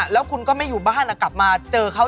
แล้วคุณก็ไม่อยู่บ้านกลับมาเจอเขา